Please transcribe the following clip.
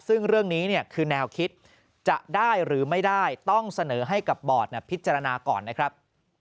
ซึ่งเรื่องนี้เนี่ยคือแนวคิดจะได้หรือไม่ได้ต้องเสนอให้กับบอร์ดพิจารณาก่อนนะครับ